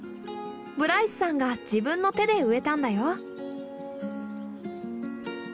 ブライスさんが自分の手で植えたんだよ。